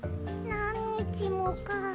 なんにちもか。